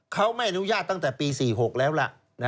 เขาไม่อนุญาตตั้งแต่ปี๔๖แล้วล่ะ